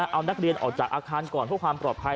เอานักเรียนออกจากอาคารก่อนเพื่อความปลอดภัย